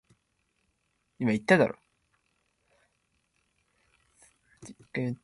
See Irfan Shahid's "Byzantium and the Arabs in the Sixth Century" for full details.